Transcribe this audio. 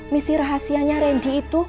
misi rahasianya randy itu